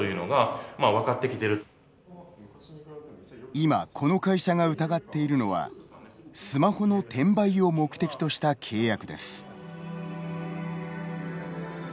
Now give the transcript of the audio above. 今この会社が疑っているのはスマホの転売を目的とした契約です。